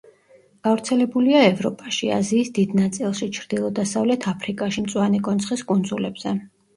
გავრცელებულია ევროპაში, აზიის დიდ ნაწილში, ჩრდილო-დასავლეთ აფრიკაში, მწვანე კონცხის კუნძულებზე.